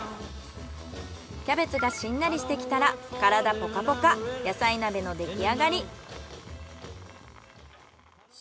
キャベツがしんなりしてきたら体ポカポカ野菜鍋の出来上がり。